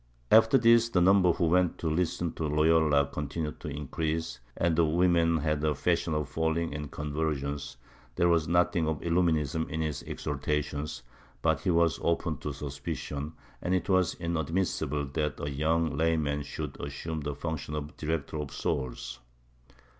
After this the number who went to listen to Loyola continued to increase, and the women had a fashion of falling in convulsions, there was nothing of illuminism in his exhortations, but he was open to suspicion, and it was inad missible that a yomig layman should assume the function of a director of souls.